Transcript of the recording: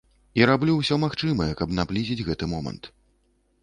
І раблю ўсё магчымае, каб наблізіць гэты момант.